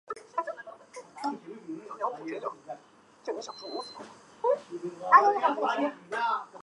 小樽港进入了战前的全盛时期。